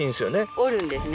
折るんですね。